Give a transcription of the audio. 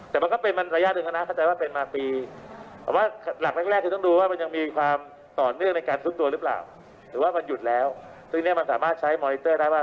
ถ้าหยุดแล้วสภาพมันเป็นอย่างไรความปลอดภัยเป็นอย่างไรครับ